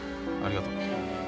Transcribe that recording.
ありがとう。